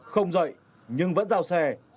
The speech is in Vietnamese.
không dạy nhưng vẫn dào xe